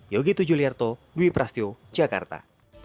yogi tujuliarto dwi prasetyo jakarta